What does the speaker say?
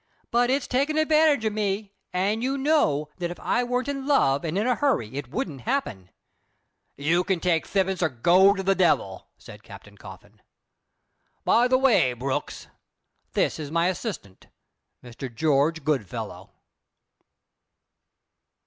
"But it's taking advantage of me; and you know that if I weren't in love and in a hurry it wouldn't happen." "You can take fippence, or go to the devil!" said Captain Coffin. "By the way, Brooks, this is my assistant, Mr. George Goodfellow."